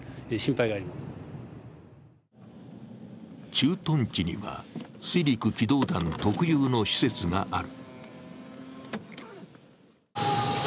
駐屯地には水陸機動団特有の施設がある。